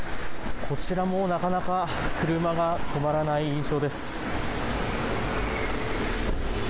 こちらもなかなか車が止まらない印象です。